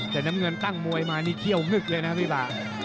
แต่น้ำเงินตั้งมวยมานี่เขี้ยวงึกเลยนะพี่ป่า